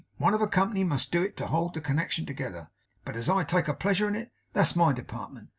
One of a Company must do it to hold the connection together; but, as I take a pleasure in it, that's my department.